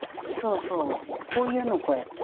こういうのをこうやって。